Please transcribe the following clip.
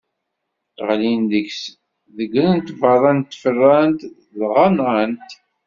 Ɣlin deg-s, ḍeggren-t beṛṛa n tfeṛṛant dɣa nɣan-t.